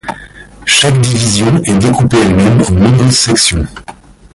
Chaque division est découpée elle-même en nombreuses sections.